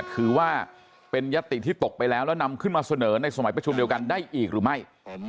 ถือว่าเป็นยัตติที่ตกไปแล้วแล้วนำขึ้นมาเสนอในสมัยประชุมเดียวกันได้อีกหรือไม่